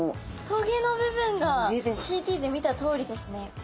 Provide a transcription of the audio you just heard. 棘の部分がＣＴで見たとおりですね。